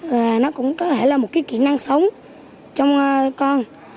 và nó cũng có thể là một cái kỹ năng sống trong con